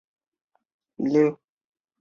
东汉建安中分匈奴左部居此。